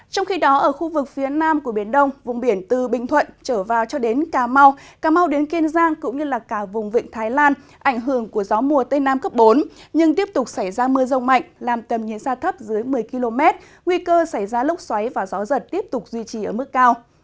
trong khi đó ở khu vực phía nam của biển đông vùng biển từ bình thuận trở vào cho đến cà mau cà mau đến kiên giang cũng như là cả vùng vịnh thái lan ảnh hưởng của gió mùa tây nam cấp bốn nhưng tiếp tục xảy ra mưa rông mạnh làm tầm nhiệt ra thấp dưới một mươi km nguy cơ xảy ra lốc xoáy và gió giật tiếp tục duy trì ở mức cao